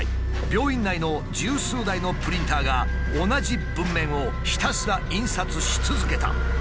病院内の十数台のプリンターが同じ文面をひたすら印刷し続けた。